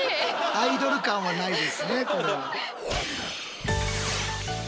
アイドル感はないですね。